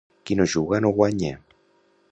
Qui no juga, no guanya.